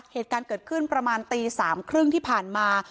เหตุการณ์เกิดขึ้นประมาณตี๓๓๐ที่ผ่านมา